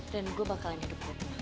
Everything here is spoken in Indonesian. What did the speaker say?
dan gue bakalan hidup dulu